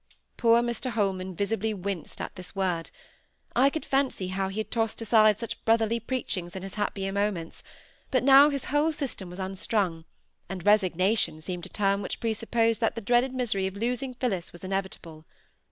Poor Mr Holman visibly winced at this word. I could fancy how he had tossed aside such brotherly preachings in his happier moments; but now his whole system was unstrung, and "resignation" seemed a term which presupposed that the dreaded misery of losing Phillis was inevitable.